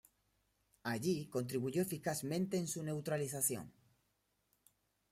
Allí contribuyó eficazmente en su neutralización.